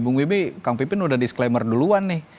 bung wibi kang pipin udah disclaimer duluan nih